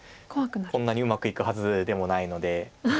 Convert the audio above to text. こんなにうまくいくはずでもないので。